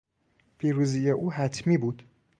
پیروزی او حتمی بود.